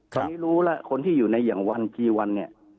ตอนนี้รู้แล้วคนที่อยู่ในอย่างวันกี่วันเนี่ย